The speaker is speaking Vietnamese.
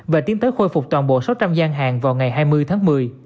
và tiến tới khôi phục toàn bộ sáu trăm linh gian hàng vào ngày hai mươi tháng một mươi